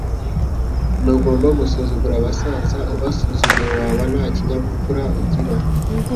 Ntugomba gusuzugura abasaza ubasuzuguye waba nta kinyabupfura ugira.